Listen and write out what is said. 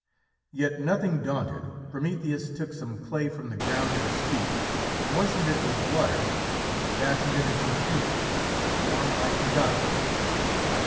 Yet, nothing daunted, Prometheus took some clay from the ground at his feet, moistened it with water, and fashioned it into an image, in form like the gods.